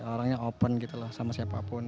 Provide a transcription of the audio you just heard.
orangnya open gitu loh sama siapapun